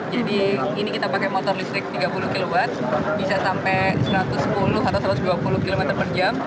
jadi ini kita pakai motor listrik tiga puluh kw bisa sampai satu ratus sepuluh atau satu ratus dua puluh km per jam